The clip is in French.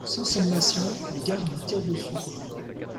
Sans sommation, les gardes nous tirent dessus.